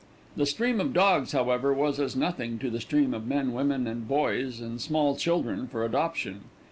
The stream of dogs, however, was as nothing to the stream of men, women and boys, and small children for adoption.